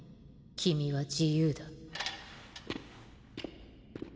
君は自由だ。